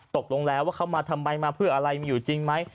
ตกลงแล้วว่าเขามาทำไมมาเพื่ออะไรมีอยู่จริงไหม